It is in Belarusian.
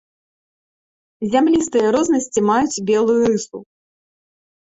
Зямлістыя рознасці маюць белую рысу.